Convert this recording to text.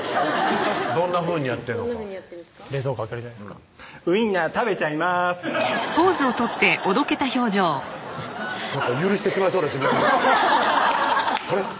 どんなふうにやってんのか冷蔵庫開けるじゃないですか「ウインナー食べちゃいます」なんか許してしまいそうなあれっ